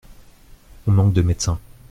On manque de médecins.